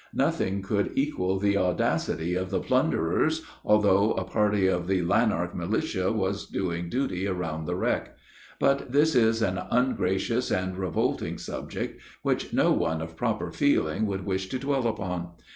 Nothing could equal the audacity of the plunderers, although a party of the Lanark militia was doing duty around the wreck. But this is an ungracious and revolting subject, which no one of proper feeling would wish to dwell upon.